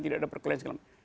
tidak ada perkelahan